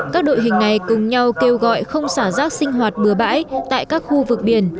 các đội hình này cùng nhau kêu gọi không xả rác sinh hoạt bừa bãi tại các khu vực biển